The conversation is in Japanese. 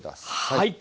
はい。